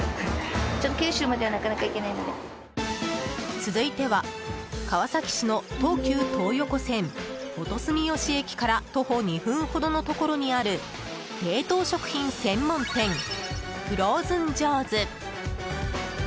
続いては川崎市の東急東横線元住吉駅から徒歩２分ほどのところにある冷凍食品専門店ＦＲＯＺＥＮＪＯＥ’Ｓ。